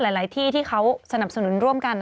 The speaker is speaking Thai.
หลายที่ที่เขาสนับสนุนร่วมกัน